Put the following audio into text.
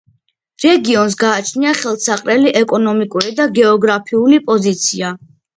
რეგიონს გააჩნია ხელსაყრელი ეკონომიკური და გეოგრაფიული პოზიცია.